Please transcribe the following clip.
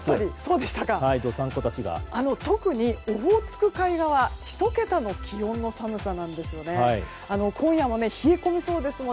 特にオホーツク海側は１桁の気温の寒さなんですね。